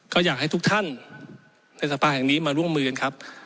ก็อยากให้ทุกท่านในสภาแห่งนี้มาร่วมมือกันครับ